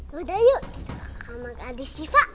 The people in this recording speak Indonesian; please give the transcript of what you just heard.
yaudah yuk kita ke kamar ke adik siva